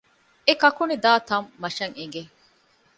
އެ ކަކުނި ދާ ތަން މަށަށް އެނގެ